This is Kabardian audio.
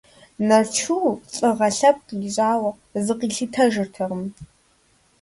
Нарчу лӀыгъэ лъэпкъ ищӀауэ зыкъилъытэжыртэкъым.